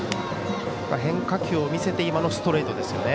変化球を見せて今のストレートですね。